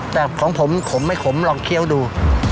แต่ของผมขมไม่ขมลองเคี้ยวดู